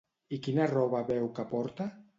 I quina roba veu que porta?